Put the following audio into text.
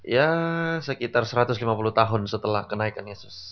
ya sekitar satu ratus lima puluh tahun setelah kenaikan yesus